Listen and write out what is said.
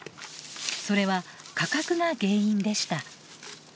それは価格が原因でした。